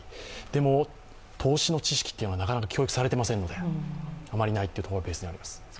でも、投資の知識というのはなかなか教育されていませんのであまりないというのがベースにあります。